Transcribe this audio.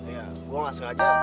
ya gue gak sengaja